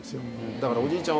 だからおじいちゃん